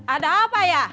ada apa ya